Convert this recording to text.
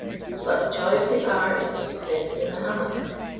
But the joy of the hour is to spin in the hammocks.